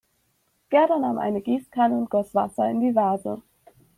Gerda nahm eine Gießkanne und goss Wasser in die Vase.